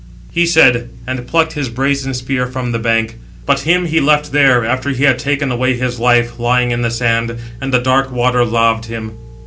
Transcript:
He said, and plucked his brazen spear from the bank. But him he left there, after he had taken away his life, lying in the sand, and the dark water laved him.